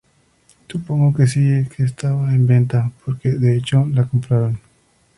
Supongo que sí que estaba en venta, porque, de hecho, la compraron.